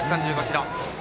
１３５キロ。